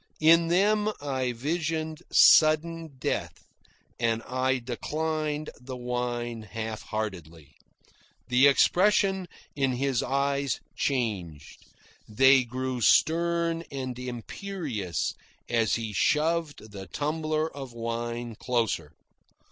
In them I visioned sudden death, and I declined the wine half heartedly. The expression in his eyes changed. They grew stern and imperious as he shoved the tumbler of wine closer.